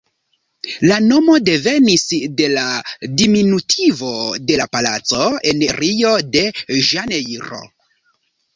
La nomo devenis de la diminutivo de la palaco en Rio-de-Ĵanejro.